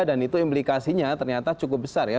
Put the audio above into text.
dan itu implikasinya ternyata cukup besar ya